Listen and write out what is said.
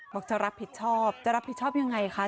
บอกจะรับผิดชอบจะรับผิดชอบยังไงคะ